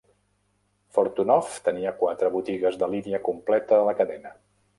Fortunoff tenia quatre botigues de línia completa a la cadena.